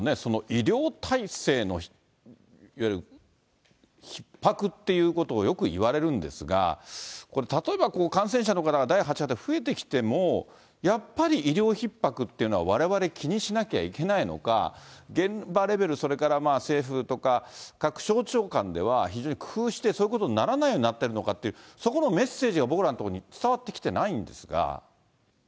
医療体制のいわゆるひっ迫っていうことをよくいわれるんですが、これ、例えば、感染者の方が第８波で増えてきても、やっぱり、医療ひっ迫というのはわれわれ、気にしなきゃいけないのか、現場レベル、それから政府とか各省庁間では、非常に工夫して、それこそならないようになってるのかって、そこのメッセージが僕らのところに伝わってきてないんですが。